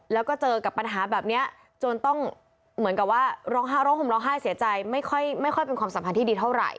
แล้วก็เจอกับปัญหาแบบนี้จนต้องเหมือนกับว่าร้องไห้ร้องห่มร้องไห้เสียใจไม่ค่อยเป็นความสัมพันธ์ที่ดีเท่าไหร